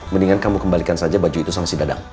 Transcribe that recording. mendingan kamu kembalikan saja baju itu sama si dadang